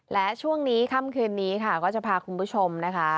และช่วงนี้ค่ำคืนนี้ค่ะก็จะพาคุณผู้ชมนะคะ